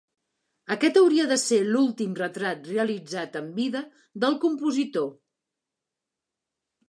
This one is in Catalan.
Aquest hauria de ser l'últim retrat realitzat en vida del compositor.